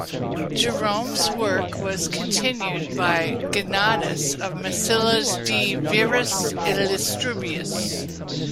Jerome's work was continued by Gennadius of Massilia's "De Viris Illustribus".